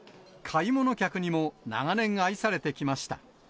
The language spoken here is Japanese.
買い物客にも長年愛されてきました。